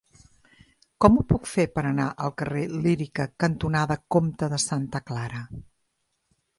Com ho puc fer per anar al carrer Lírica cantonada Comte de Santa Clara?